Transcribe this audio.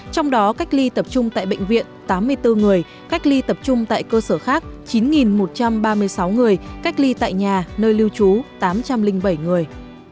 trong đó cách ly tập trung tại bệnh viện tám mươi bốn người cách ly tập trung tại cơ sở khác chín một trăm ba mươi sáu người cách ly tại nhà nơi lưu trú tám trăm linh bảy người